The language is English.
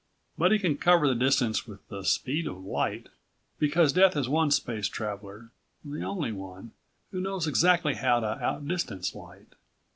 But he can cover the distance with the speed of light, because Death is one space traveler the only one who knows exactly how to outdistance light.